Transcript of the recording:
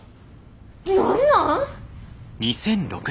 何なん！